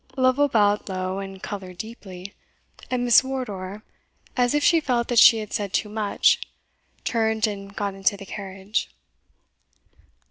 Lovel bowed low and coloured deeply, and Miss Wardour, as if she felt that she had said too much, turned and got into the carriage.